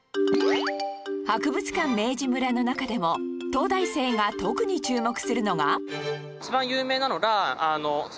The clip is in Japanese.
博物館明治村の中でも東大生が特に注目するのが